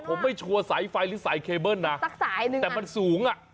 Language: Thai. ผมไม่ชัดสายไฟหรือสายเคเบิ้ลนะแต่มันสูงอ่ะ